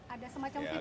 ada semacam fit in